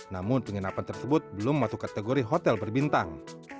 namun penginapan tersebut belum masuk kategori hotel berbintang